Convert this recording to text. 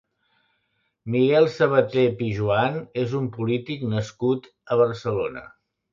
Miguel Sabate Pijoan és un polític nascut a Barcelona.